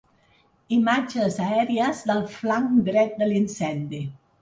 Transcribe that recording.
Imatges aèries del flanc dret de l'incendi.